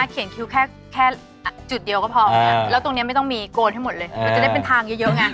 ตรงกลางตรงกลาง